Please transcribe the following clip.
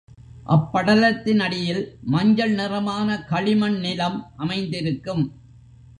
அப்படலத்தினடியில், மஞ்சள் நிறமான களிமண் நிலம் அமைந்திருக்கும்.